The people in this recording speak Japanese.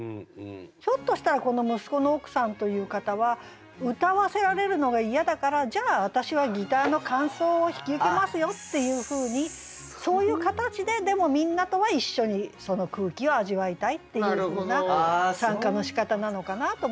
ひょっとしたらこの息子の奥さんという方は歌わせられるのが嫌だからじゃあ私はギターの間奏を引き受けますよっていうふうにそういう形ででもみんなとは一緒にその空気を味わいたいっていうふうな参加のしかたなのかなと思って。